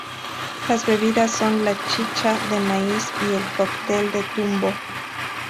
Las bebidas son la chicha de maíz y el cóctel de tumbo.